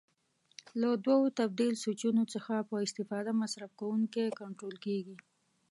له دوو تبدیل سویچونو څخه په استفاده مصرف کوونکی کنټرول کېږي.